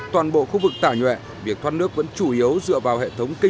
toàn bộ khu vực tả nhuệ việc thoát nước vẫn chủ yếu dựa vào hệ thống kinh doanh